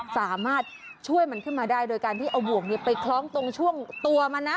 สามารถช่วยมันขึ้นมาได้โดยการที่เอาบวกไปคล้องตรงช่วงตัวมันนะ